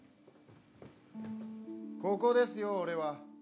ここですよ俺は。